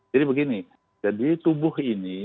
jadi begini jadi tubuh ini